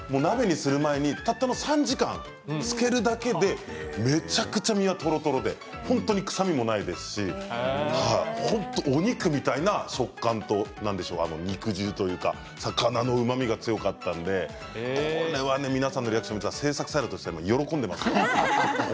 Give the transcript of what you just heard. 鍋にする前にたった３時間漬けるだけでめちゃくちゃにはとろっとろで本当にくさみもないですしお肉みたいな食感肉汁というか魚のうまみが強かったので皆さんのリアクション見て制作サイドとしては喜んでいますよ。